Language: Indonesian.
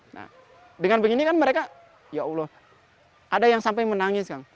nah dengan begini kan mereka ya allah ada yang sampai menangis kan